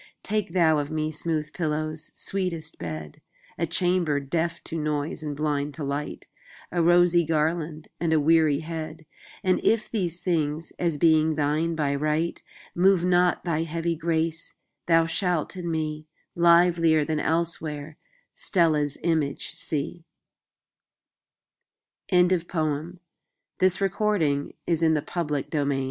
Take thou of me smooth pillows, sweetest bed,A chamber deaf to noise and blind to light,A rosy garland and a weary head:And if these things, as being thine by right, Move not thy heavy grace, thou shalt in me, Livelier than elsewhere, Stella's image see. Contents BIBLIOGRAPHIC RECORD Previous Article Next Articl